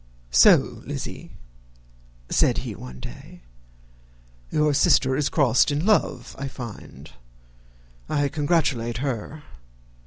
"So, Lizzy," said he, one day, "your sister is crossed in love, I find. I congratulate her.